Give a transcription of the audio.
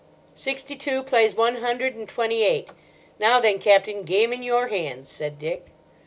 "Sixty two plays one hundred and twenty eight. Now then, Captain, game in your hands," said Dick.